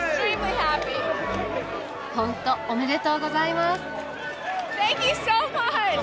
本当おめでとうございます！